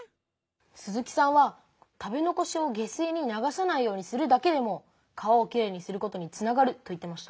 鈴木さんは食べ残しを下水に流さないようにするだけでも川をきれいにすることにつながると言ってました。